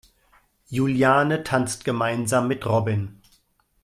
Juliane tanzt gemeinsam mit Robin.